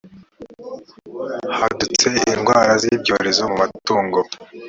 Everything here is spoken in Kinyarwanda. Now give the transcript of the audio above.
hadutse indwara z’ibyorezo mu matungo